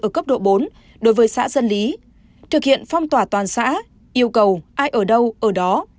ở cấp độ bốn đối với xã dân lý thực hiện phong tỏa toàn xã yêu cầu ai ở đâu ở đó